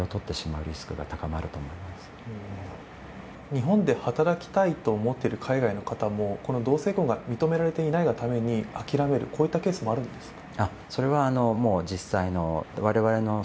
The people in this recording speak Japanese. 日本で働きたいと思っている海外の方もこの同性婚が認められていないがために諦める、こういったケースもあるんですか？